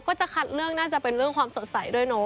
พิชิได้นะคะสปอร์ตเกลอค่ะ